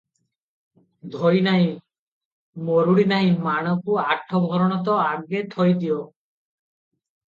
ଧୋଇ ନାହିଁ, ମରୁଡ଼ି ନାହିଁ ମାଣକୁ ଆଠଭରଣ ତ ଆଗେ ଥୋଇଦିଅ ।